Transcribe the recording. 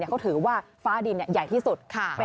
ที่ถึงฟ้าดินเป็นใหญ่ที่สุด